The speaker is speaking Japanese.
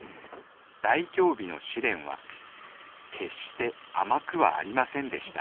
大凶日の試練は決して甘くはありませんでした